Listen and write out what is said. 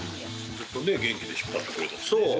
ずっとね元気で引っ張ってくれたしね。